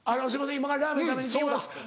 今からラーメン食べに行って来ます。